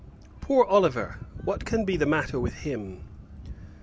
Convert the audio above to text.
Poor Oliver! what can be the matter with him?